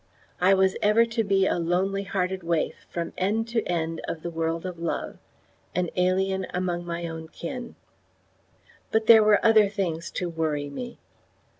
I was ever to be a lonely hearted waif from end to end of the world of love an alien among my own kin. But there were other things to worry me.